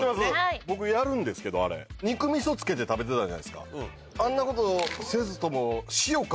僕やるんですけどあれ肉みそつけて食べてたじゃないですかあんなことせずとも。